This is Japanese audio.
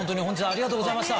ありがとうございます。